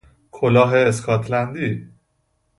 کلاه اسکاتلندی